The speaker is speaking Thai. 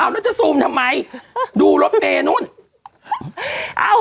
อ้าวแล้วจะซูมทำไมดูรถเมย์นู้นอ้าว